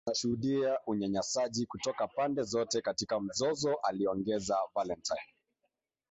Tunashuhudia unyanyasaji kutoka pande zote katika mzozo aliongeza Valentine.